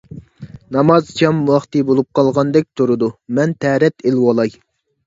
ناماز شام ۋاقتى بولۇپ قالغاندەك تۇرىدۇ، مەن تەرەت ئېلىۋالاي.